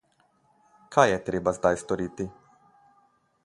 Kaj je treba zdaj storiti?